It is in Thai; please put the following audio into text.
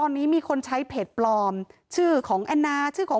แล้วมันกลายเป็นข่าว